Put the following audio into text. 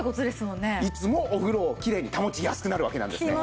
いつもお風呂をキレイに保ちやすくなるわけなんですね。